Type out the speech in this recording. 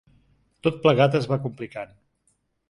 Tot plegat es va complicant.